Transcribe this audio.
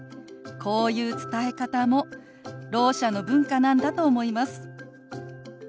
こういう伝え方もろう者の文化なんだと思います。